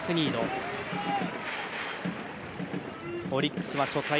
オリックスは初回